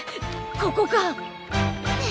ここか！